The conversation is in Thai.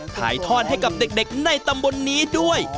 ถ่ายทอดให้กับเด็กในตำบลนี้ด้วย